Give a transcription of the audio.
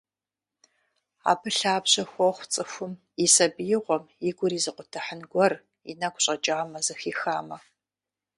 Абы лъабжьэ хуохъу цӀыхум и сабиигъуэм и гур изыкъутыхьын гуэр и нэгу щӀэкӀамэ, зэхихамэ.